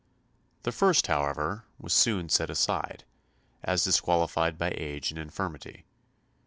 The first, however, was soon set aside, as disqualified by age and infirmity.